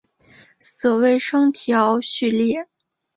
所谓双调序列。